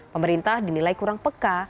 pemerintah dinilai kurang peka